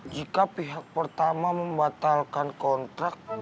jika pihak pertama membatalkan kontrak